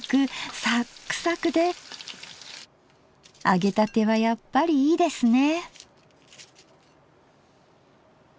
揚げたてはやっぱりいいですね。